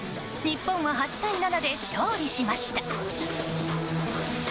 日本は８対７で勝利しました。